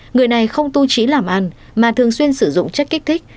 người này không tu trí làm ăn mà thường xuyên sử dụng chất kích thích